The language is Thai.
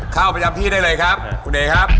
เข้าประจำที่ได้เลยครับ